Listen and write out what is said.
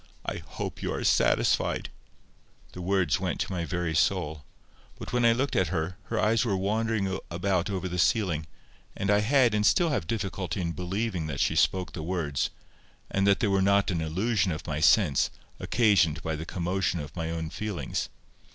"I hope you are satisfied." The words went to my very soul. But when I looked at her, her eyes were wandering about over the ceiling, and I had and still have difficulty in believing that she spoke the words, and that they were not an illusion of my sense, occasioned by the commotion of my own feelings.